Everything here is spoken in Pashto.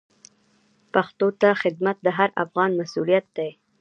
پښتو ته خدمت د هر افغان مسوولیت دی.